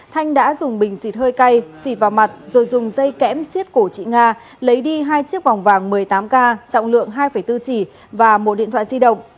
thanh đã dùng bình xịt hơi cay xịt vào mặt rồi dùng dây kẽm xiết cổ chị nga lấy đi hai chiếc vòng vàng một mươi tám k trọng lượng hai bốn chỉ và một điện thoại di động